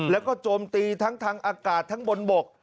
แล้วก็โจมตีทั้งทางอากาศทั้งบนบก